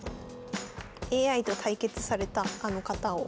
ＡＩと対決されたあの方を。